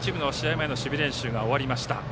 前の守備練習が終わりました。